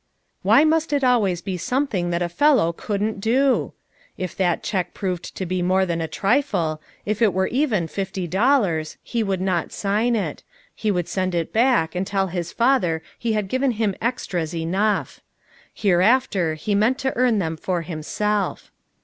Why must it always he something that a fellow couldn't do? If that check proved to be more than a trifle, if it were even fifty dollars, he wouldn't sign it; he would send it back and tell his father he had given him extras enough ; hereafter he meant to earn them for himself.